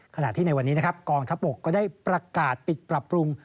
ขณะที่ในวันนี้นะครับกองทัพบกก็ได้ประกาศปิดปรับปรุง